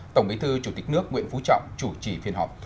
tổng bí thư chủ tịch nước nguyễn phú trọng chủ trì phiên họp